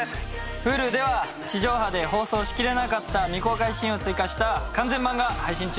Ｈｕｌｕでは地上波で放送しきれなかった未公開シーンを追加した完全版が配信中です。